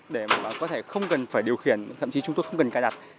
để có thể không cần phải điều khiển thậm chí chúng tôi không cần cài đặt